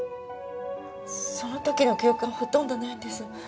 その時の記憶がほとんどないんです。